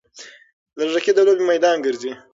لږکي د لوبې میدان ګرځي.